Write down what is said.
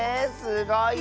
すごい！